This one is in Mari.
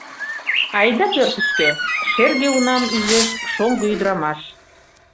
Айда пӧртышкӧ, — шерге унам ӱжеш шоҥго ӱдырамаш.